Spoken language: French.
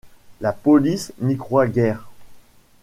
La police n'y croit guère.